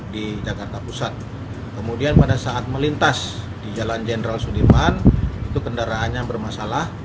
di jakarta pusat kemudian pada saat melintas di jalan jenderal sudirman itu kendaraannya bermasalah